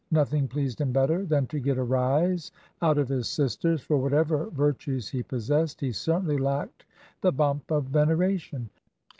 Nothing pleased him better than to get a rise out of his sisters, for, whatever virtues he possessed, he certainly lacked the bump of veneration.